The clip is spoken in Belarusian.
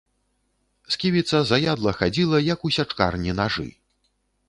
Сківіца заядла хадзіла, як у сячкарні нажы.